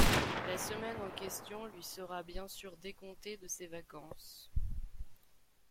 La semaine en question lui sera bien sûr décomptée de ses vacances.